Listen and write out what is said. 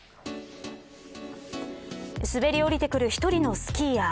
滑り降りてくる１人のスキーヤー。